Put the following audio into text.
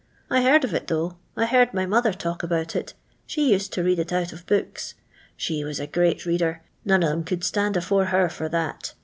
I heard of it though. I heard my mother talk about it ; she used to read it out of books; she was a great reader — none on 'em could stand afore her for that.